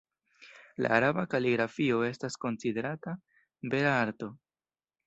La araba kaligrafio estas konsiderata vera arto.